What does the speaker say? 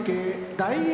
・大栄